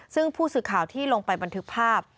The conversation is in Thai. ซึ่งผู้สื่อข่าวที่ลงไปบันทึกภาพ